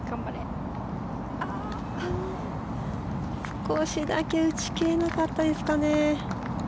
少しだけ打ち切れなかったですかね。